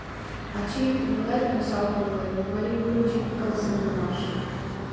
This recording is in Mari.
«Ачийын кумылет — осал кумылет»... марий муро чыным каласен улмаш...